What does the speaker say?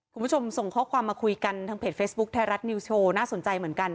ก็ตอนนี้เรายังไม่ได้ดูเอกสาร